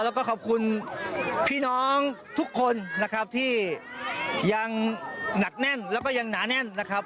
แล้วก็ขอบคุณพี่น้องทุกคนนะครับที่ยังหนักแน่นแล้วก็ยังหนาแน่นนะครับ